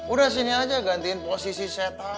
udah sini aja gantiin posisi setan